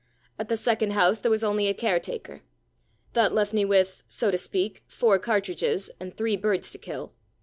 At the second house there was only a caretaker. That left^ me with, so to speak, four cartridges and three birds to kill.